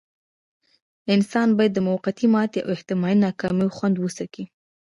انسان بايد د موقتې ماتې او احتمالي ناکاميو خوند وڅکي.